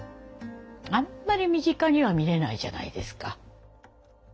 あんまり身近には見れないじゃないですか。